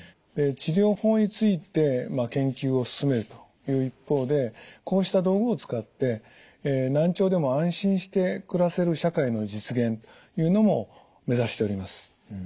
治療法について研究を進めるという一方でこうした道具を使って難聴でも安心して暮らせる社会の実現というのも目指しております。